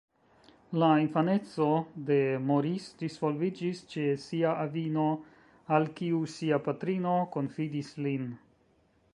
La infaneco de Maurice disvolviĝis ĉe sia avino, al kiu sia patrino konfidis lin.